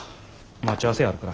待ち合わせあるから。